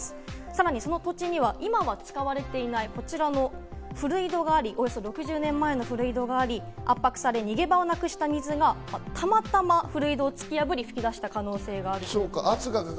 さらにその土地には今は使われていない、こちらの古井戸があり、およそ６０年前の古井戸があり、圧迫され逃げ場をなくした水がたまたま古井戸を突き破り噴き出した可能性があるということです。